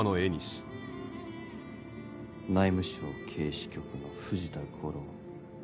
内務省警視局の藤田五郎。